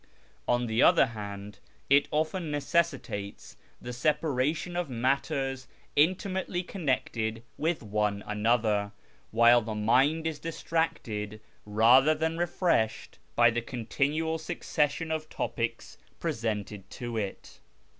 On the other hand, it often necessitates the sej)aration of matters intimately connected with one another, while the mind is distracted rather than refreshed by the continual succession of topics presented to it.